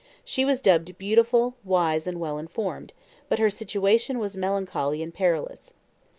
She was dubbed beautiful, wise, and well informed; but her situation was melancholy and perilous.